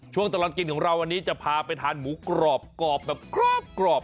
ช่วงตลอดกินของเราวันนี้จะพาไปทานหมูกรอบกรอบแบบกรอบ